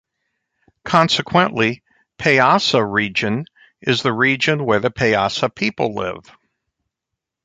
Consequently, "Paisa Region" is the region where the Paisa people live.